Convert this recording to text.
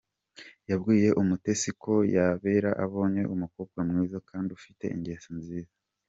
Yabwiye Umutesi ko yabera abonye umukobwa mwiza kandi ufite ingeso nziza.